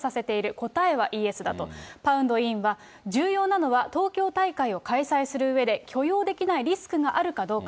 答えはイエスだと、パウンド委員は重要なのは東京大会を開催するうえで許容できないリスクがあるかどうか。